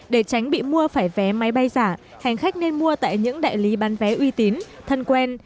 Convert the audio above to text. để tránh bị mua phải vé máy bay giả hành khách nên mua tại những đại lý bán vé uy tín thân quen